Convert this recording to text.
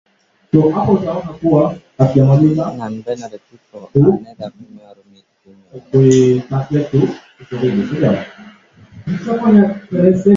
Non-binary people are neither female or male.